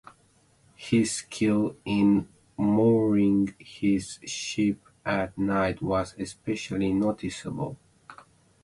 His skill in mooring his ship at night was especially noticeable.